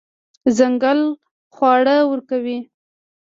ځنګل خواړه ورکوي.